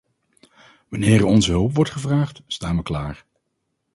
Wanneer onze hulp wordt gevraagd, staan we klaar.